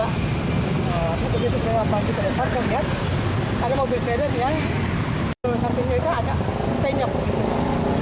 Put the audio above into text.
lalu begitu saya datang ke depan saya lihat ada mobil sedan yang sampingnya itu ada tenyok